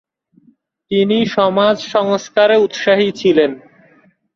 তিনি সমাজ সংস্কারে উৎসাহী ছিলেন।